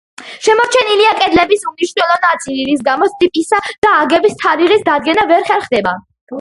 შემორჩენილია კედლების უმნიშვნელო ნაწილი, რის გამოც ტიპისა და აგების თარიღის დადგენა ვერ ხერხდება.